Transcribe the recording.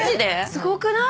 すごくない？